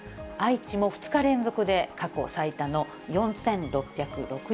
愛知も２日連続で、過去最多の４６６３人。